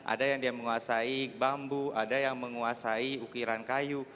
ada yang dia menguasai bambu ada yang menguasai ukiran kayu